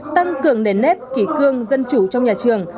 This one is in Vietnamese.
tăng cường nền nếp kỷ cương dân chủ trong nhà trường